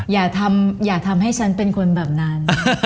อย่าทำให้ฉันเป็นคนแบบนั้น